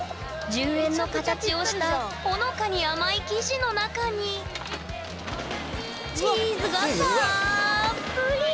１０円の形をしたほのかに甘い生地の中にチーズがたっぷり！